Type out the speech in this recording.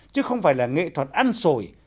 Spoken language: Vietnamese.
chứ không phải là nghệ thuật ăn sổi